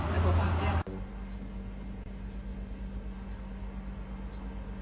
เห็น